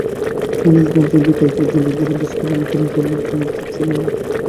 Police বলেছে, বিকেল পর্যন্ত তারা বিস্ফোরণের কারণ সম্পর্কে নিশ্চিত ছিল না।